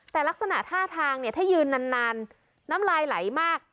แต่ลักษณะท่าทางเนี่ยถ้ายืนนานน้ำลายไหลมาก